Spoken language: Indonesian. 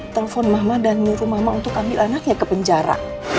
telepon mama dan nyuruh mama untuk ambil anaknya ke penjara